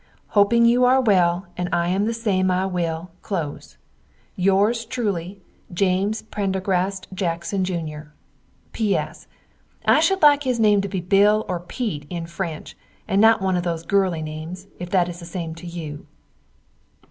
Hoping you are well and I am the same I will, close. Yours truly, James Prendergast Jackson Jr. P.S. I shood like his name to be Bill or Pete in french and not one of those girly names if it is the same to you.